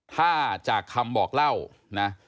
ถ้าจากคำบอกเล่านะ